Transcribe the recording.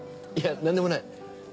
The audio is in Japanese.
いやなんでもない。